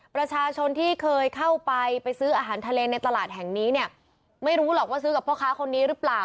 ประชาชนที่เคยเข้าไปไปซื้ออาหารทะเลในตลาดแห่งนี้เนี่ยไม่รู้หรอกว่าซื้อกับพ่อค้าคนนี้หรือเปล่า